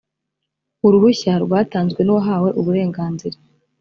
uruhushya rwatanzwe n’uwahawe uburenganzira